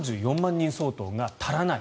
人相当が足らない。